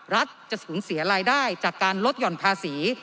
รัฐจะสูญเสียรายได้จากการลดหย่อนภาษี